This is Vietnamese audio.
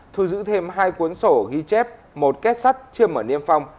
thu giữ thêm hai cuốn sổ ghi chép một kết sắt chưa mở niêm phong